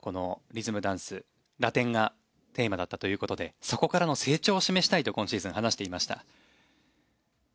２人が最初に臨んだシーズンのテーマがこのリズムダンスラテンがテーマだったということでそこからの成長を示したいと今シーズン話していました。